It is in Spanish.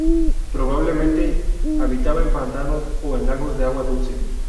Probablemente habitaba en pantanos o en lagos de agua dulce.